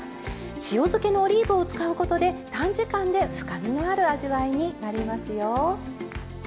塩漬けのオリーブを使うことで短時間で深みのある味わいになりますよ。